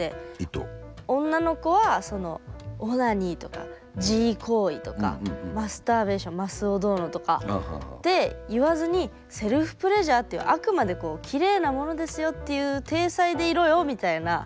女の子はそのオナニーとか自慰行為とかマスターベーションマスをどうのとかって言わずにセルフプレジャーっていうあくまでこうきれいなものですよっていう体裁でいろよみたいな。